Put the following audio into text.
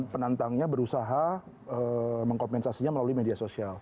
penantangnya berusaha mengkompensasinya melalui media sosial